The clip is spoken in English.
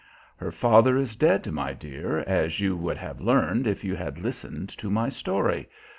"Her father is dead, my dear, as you would have learned if you had listened to my story.